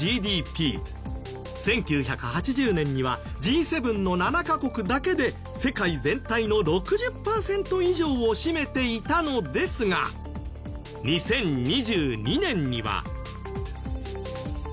１９８０年にはＧ７の７カ国だけで世界全体の６０パーセント以上を占めていたのですが２０２２年には。